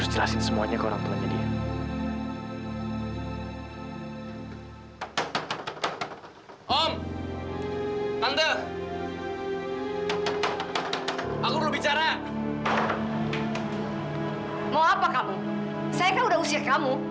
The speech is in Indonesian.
saya kan udah usir kamu